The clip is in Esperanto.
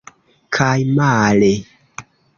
Kaj male.